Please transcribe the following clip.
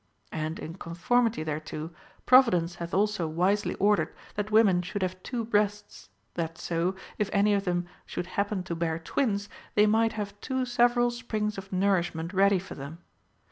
And, in conformity thereto, Providence hath also wisely ordered that women should have two breasts, that so, if any of them should happen to bear twins, they might have two several springs of nour ishment ready for them.